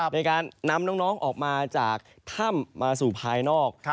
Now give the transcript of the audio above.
ในการนำน้องออกมาจากถ้ำมาสู่ภายนอก